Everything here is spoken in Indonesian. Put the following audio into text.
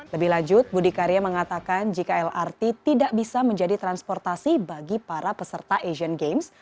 lebih lanjut budi karya mengatakan jika lrt tidak bisa menjadi transportasi bagi para peserta asian games